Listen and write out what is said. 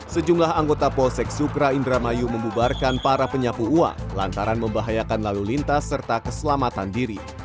sejumlah anggota polsek sukra indramayu membubarkan para penyapu uang lantaran membahayakan lalu lintas serta keselamatan diri